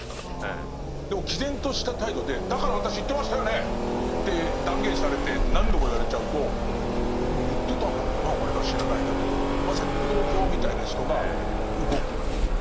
でも毅然とした態度で「だから私言ってましたよね」って断言されて何度も言われちゃうと「まあ言ってたんだろうな俺が知らないだけで」ってまさに浮動票みたいな人が動くというのは何か分かる。